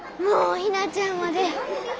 もうひなちゃんまで。